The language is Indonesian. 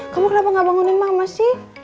kamu kenapa gak bangunin mama sih